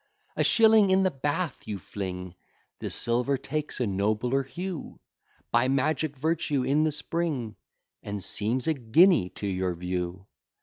A shilling in the bath you fling, The silver takes a nobler hue, By magic virtue in the spring, And seems a guinea to your view.